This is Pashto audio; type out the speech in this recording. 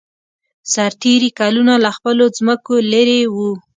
سرتېري کلونه له خپلو ځمکو لېرې وو